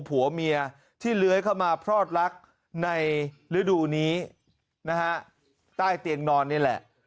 ผัวเมียที่เลื้อยเข้ามาพลอดรักในฤดูนี้นะฮะใต้เตียงนอนนี่แหละ